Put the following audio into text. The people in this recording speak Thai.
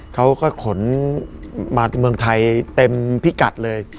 เขาก็ขนมาเมืองไทยเต็มพิกัดเลย